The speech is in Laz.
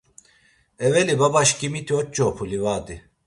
Eveli babaşǩimiti oç̌opu livadi.